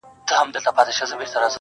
خبرې یې نوښت دی